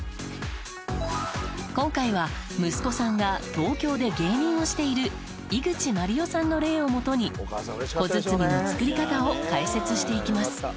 今回は息子さんが東京で芸人をしている井口まりよさんの例をもとに小包みの作り方を解説していきます。